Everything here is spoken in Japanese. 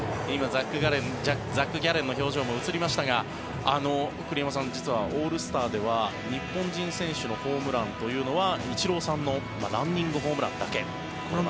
ザック・ギャレンの表情も今、映りましたが栗山さん、実はオールスターでは日本人選手のホームランというのはイチローさんのランニングホームランだけ。